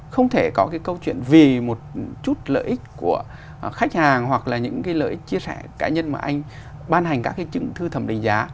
không thể có cái câu chuyện vì một chút lợi ích của khách hàng hoặc là những cái lợi ích chia sẻ cá nhân mà anh ban hành các cái chứng thư thẩm định giá